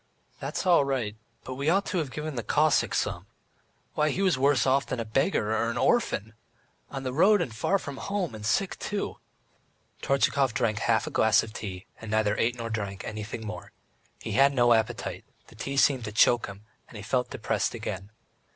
"That's all right, but we ought to have given the Cossack some. ... Why, he was worse off than a beggar or an orphan. On the road, and far from home, and sick too." Tortchakov drank half a glass of tea, and neither ate nor drank anything more. He had no appetite, the tea seemed to choke him, and he felt depressed again.